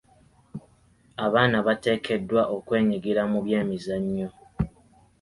Abaana bateekeddwa okwenyigira mu by'emizannyo..